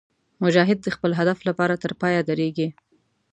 مجاهد د خپل هدف لپاره تر پایه درېږي.